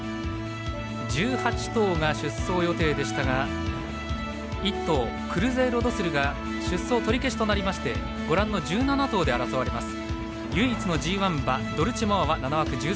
１８頭が出走予定でしたが１頭、クルゼイロドスルが出走取り消しとなりましてご覧の１７頭で争われます。